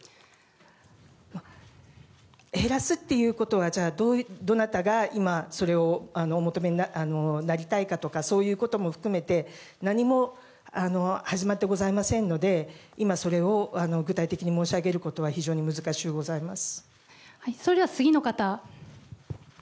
減らすということは、どなたがそれをお求めになりたいかとかそういうことも含めて何も始まってございませんので今、それを具体的に申し上げることは非常に難しゅうございます。